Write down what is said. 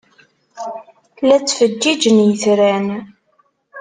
La ttfeǧǧiǧen yitran.